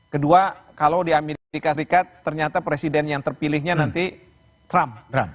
kedua kalau di amerika serikat ternyata presiden yang terpilihnya nanti trump